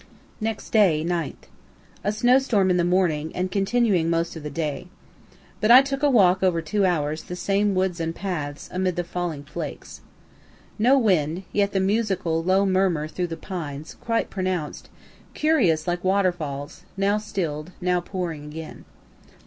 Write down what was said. Next day, 9th. A snowstorm in the morning, and continuing most of the day. But I took a walk over two hours, the same woods and paths, amid the falling flakes. No wind, yet the musical low murmur through the pines, quite pronounced, curious, like waterfalls, now still'd, now pouring again.